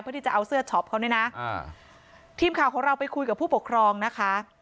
เพื่อที่จะเอาเสื้อช็อปเขาเนี่ยนะอ่าทีมข่าวของเราไปคุยกับผู้ปกครองนะคะ